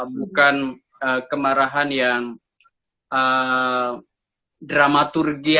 bukan kemarahan yang dramaturgis ya